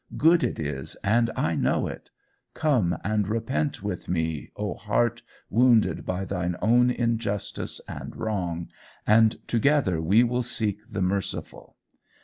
Good it is, and I know it. Come and repent with me, O heart wounded by thine own injustice and wrong, and together we will seek the merciful.